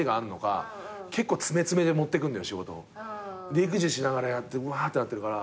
育児しながらやってうわってなってるから。